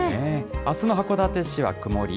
あすの函館市は曇り。